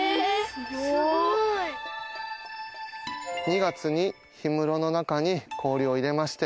すごい。２月に氷室の中に氷を入れまして。